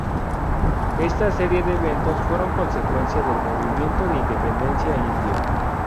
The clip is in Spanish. Esta serie de eventos fueron consecuencia del movimiento de independencia indio.